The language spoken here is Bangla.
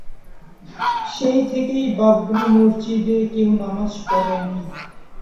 সেই থেকেই বাবরি মসজিদে কেউ নামাজ পড়ে নি।